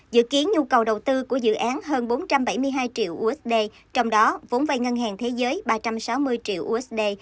dự kiến nhu cầu đầu tư của dự án hơn bốn trăm bảy mươi hai triệu usd trong đó vốn vay ngân hàng thế giới ba trăm sáu mươi triệu usd